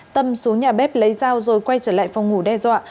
tâm xuống nhà bếp lấy dao rồi quay trở lại phòng ngủ đe dọa